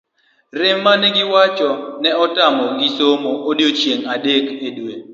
rem mane giwacho ni netamo gi somo odiochieng'e adek e dwe